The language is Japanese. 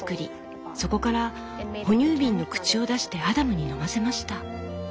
そこから哺乳瓶の口を出してアダムに飲ませました」。